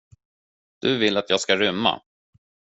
Du vill att jag ska rymma?